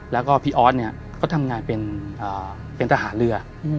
แล้วก็พี่ออสเนี่ยเขาทำงานเป็นทหารเรือ